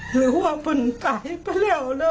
หรือว่าเป็นตายไปแล้วแล้ว